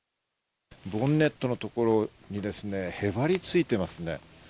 ボンネットのところにですね、へばりついてますね。